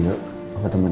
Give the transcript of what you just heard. aku temenin ke kamar ya